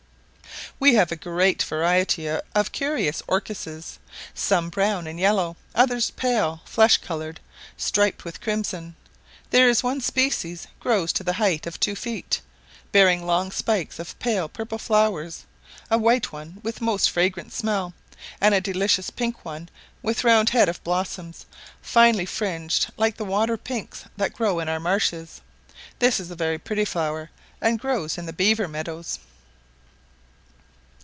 We have a great variety of curious orchises, some brown and yellow, others pale flesh coloured, striped with crimson. There is one species grows to the height of two feet, bearing long spikes of pale purple flowers; a white one with most fragrant smell, and a delicate pink one with round head of blossoms, finely fringed like the water pinks that grow in our marshes; this is a very pretty flower, and grows in the beaver meadows.